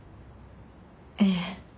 ええ。